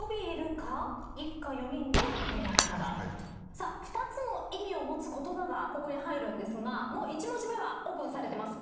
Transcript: さあ２つの意味を持つ言葉がここに入るんですがもう１文字目はオープンされてます。